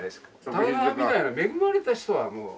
高田さんみたいな恵まれた人はもう。